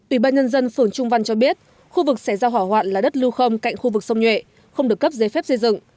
ủy ban nhân dân phường trung văn cho biết khu vực xảy ra hỏa hoạn là đất lưu không cạnh khu vực sông nhuệ không được cấp giấy phép xây dựng